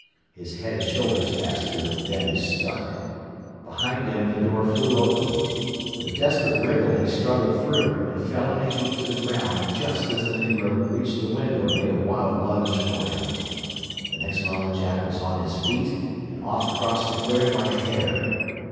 His head and shoulders passed through, then he stuck. Behind him the door flew open. With a desperate wriggle he struggled through, and fell in a heap to the ground just as the negro reached the window and made a wild lunge for him. The next moment Jack was on his feet and off across the clearing like a hare.